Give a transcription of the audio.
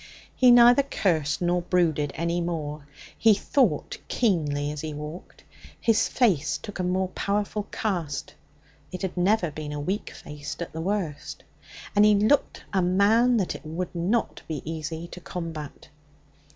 He neither cursed nor brooded any more. He thought keenly as he walked. His face took a more powerful cast it had never been a weak face at the worst and he looked a man that it would not be easy to combat.